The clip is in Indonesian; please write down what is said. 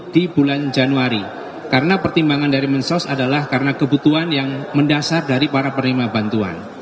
di bulan januari karena pertimbangan dari mensos adalah karena kebutuhan yang mendasar dari para penerima bantuan